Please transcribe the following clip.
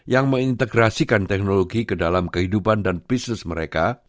yang mengintegrasikan teknologi ke dalam kehidupan dan bisnis mereka